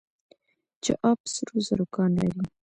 چاه اب سرو زرو کان لري؟